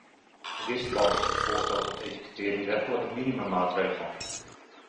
In dit verband is het voorstel tot etikettering werkelijk een minimummaatregel.